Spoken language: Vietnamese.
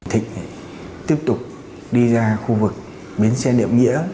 thịnh tiếp tục đi ra khu vực bến xe niệm nghĩa